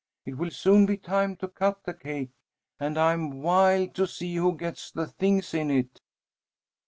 It will soon be time to cut the cake, and I'm wild to see who gets the things in it."